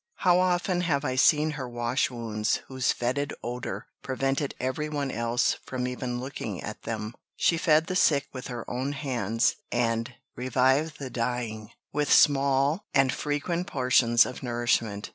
How often have I seen her wash wounds whose fetid odour prevented every one else from even looking at them! She fed the sick with her own hands, and revived the dying with small and frequent portions of nourishment.